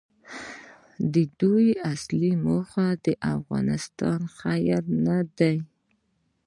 د دوی اصلي موخه د افغانستان خیر نه دی.